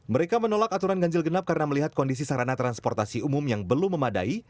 mereka menolak aturan ganjil genap karena melihat kondisi sarana transportasi umum yang belum memadai